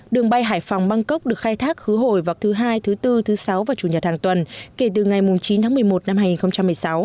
đường bay hải phòng bangkok được khai thác khứ hồi vào thứ hai thứ bốn thứ sáu và chủ nhật hàng tuần kể từ ngày chín tháng một mươi một năm hai nghìn một mươi sáu